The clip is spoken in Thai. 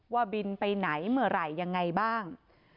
ว่าบินไปไหนเมื่อไหร่ยังไงบ้าง